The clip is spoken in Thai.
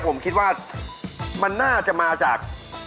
ผมคิดว่ามันน่าจะมาจาก